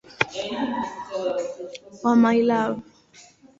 wa "My Love".